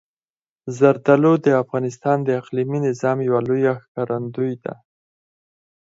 زردالو د افغانستان د اقلیمي نظام یوه لویه ښکارندوی ده.